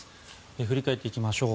振り返っていきましょう。